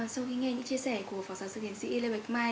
sau khi nghe những chia sẻ của phó giáo sư tiến sĩ lê bạch mai